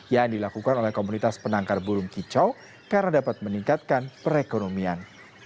yang dilakukan oleh komunitas penangkar burung kicau karena dapat meningkatkan perekonomian